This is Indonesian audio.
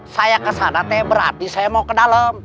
saya kesana berarti saya mau ke dalam